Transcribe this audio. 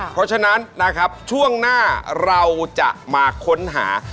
เพราะฉะนั้นนะครับช่วงหน้าเราจะมาค้นหา